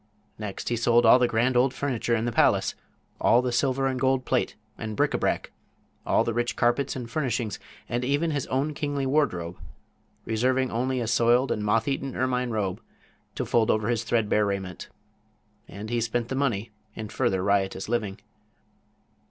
Next he sold all the grand old furniture in the palace; all the silver and gold plate and bric a brac; all the rich carpets and furnishings and even his own kingly wardrobe, reserving only a soiled and moth eaten ermine robe to fold over his threadbare raiment. And he spent the money in further riotous living.